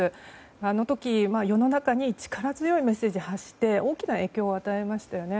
あの時、世の中に力強いメッセージを発して大きな影響を与えましたよね。